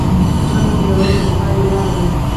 رنګ بدلول د دفاع یوه لاره ده